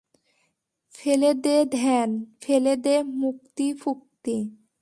ফেলে দে ধ্যান, ফেলে দে মুক্তি-ফুক্তি।